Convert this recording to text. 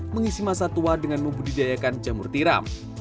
mengisi masa tua dengan membudidayakan jamur tiram